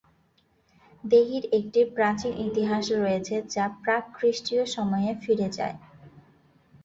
দেহির একটি প্রাচীন ইতিহাস রয়েছে যা প্রাক-খ্রীষ্টীয় সময়ে ফিরে যায়।